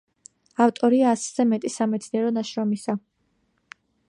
ავტორია ასზე მეტი სამეცნიერო ნაშრომის.